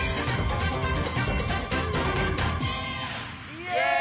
イエイ！